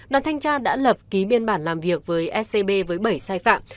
đoàn thanh tra đã lập ký biên bản làm việc với scb với bảy sai phạm